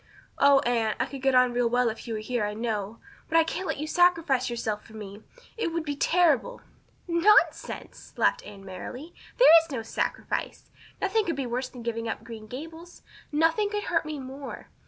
"Oh, Anne, I could get on real well if you were here, I know. But I can't let you sacrifice yourself so for me. It would be terrible." "Nonsense!" Anne laughed merrily. "There is no sacrifice. Nothing could be worse than giving up Green Gables nothing could hurt me more.